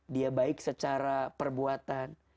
dia baik secara perbuatan